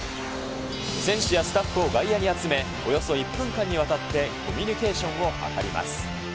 選手やスタッフを外野に集め、およそ１分間にわたってコミュニケーションを図ります。